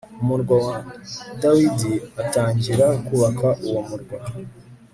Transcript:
umurwa wa dawidi atangira kubaka uwo murwa